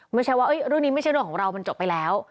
ไม่ใช่ว่าเรื่องนี้ไม่ใช่เรื่องของเรามันจบไปแล้ว